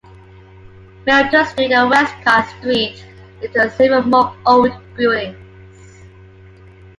Milton Street and Westcott Street lead to several more old buildings.